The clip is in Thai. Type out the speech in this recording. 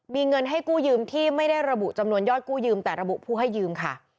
มีเงินให้กู้ยืมที่ไม่ได้ระบุจำนวนยอดกู้ยืมแต่ระบุผู้ให้ยืมค่ะ